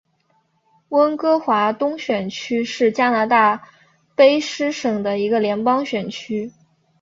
温哥华东选区是加拿大卑诗省的一个联邦选区。